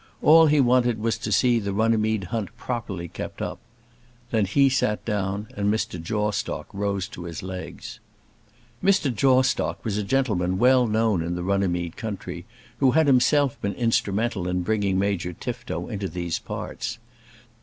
All he wanted was to see the Runnymede hunt properly kept up. Then he sat down, and Mr. Jawstock rose to his legs. Mr. Jawstock was a gentleman well known in the Runnymede country, who had himself been instrumental in bringing Major Tifto into these parts.